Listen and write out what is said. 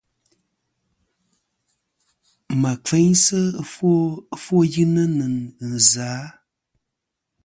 Mà kfeynsɨ ɨfwoyɨnɨ nɨ zɨ-a ?